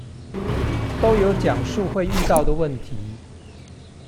都有講述會遇到的問題